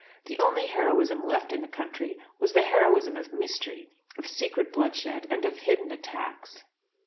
The only heroism left in the country was the heroism of mystery, of secret bloodshed and of hidden attacks.